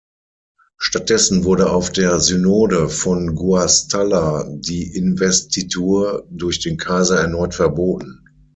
Stattdessen wurde auf der Synode von Guastalla die Investitur durch den Kaiser erneut verboten.